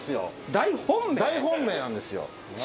大本命なんですよ。